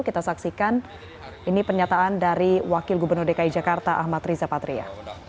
kita saksikan ini pernyataan dari wakil gubernur dki jakarta ahmad riza patria